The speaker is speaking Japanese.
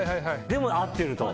でも会ってると。